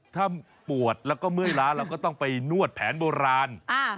ถ้าปวดแล้วก็เมื่อยล้าเราก็ต้องไปนวดแผนโบราณ